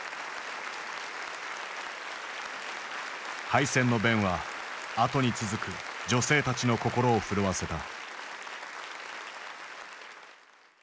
敗戦の弁は後に続く女性たちの心を震わせた。